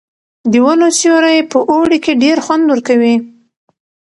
د ونو سیوری په اوړي کې ډېر خوند ورکوي.